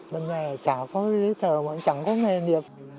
nên là chả có gì chẳng có nghề gì